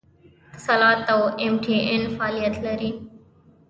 اتصالات او ایم ټي این فعالیت لري